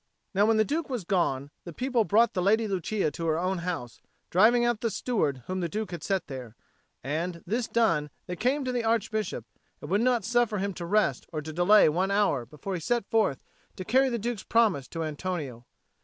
Now when the Duke was gone, the people brought the Lady Lucia to her own house, driving out the steward whom the Duke had set there, and, this done, they came to the Archbishop, and would not suffer him to rest or to delay one hour before he set forth to carry the Duke's promise to Antonio.